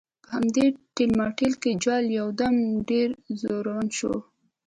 په همدې ټېل ماټېل کې جال یو دم ډېر دروند شو.